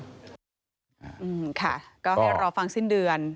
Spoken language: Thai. อืมค่ะก็ให้รอฟังสิ้นเดือน